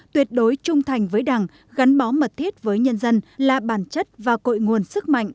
tuyệt đối trung thành với đảng gắn bó mật thiết với nhân dân là bản chất và cội nguồn sức mạnh